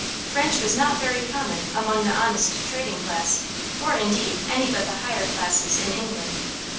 French was not very common among the honest trading class, or indeed any but the higher classes in England.